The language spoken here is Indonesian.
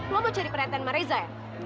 lo mau cari perhatian sama reza ya